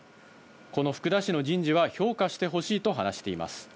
この福田氏の人事は評価してほしいと話しています。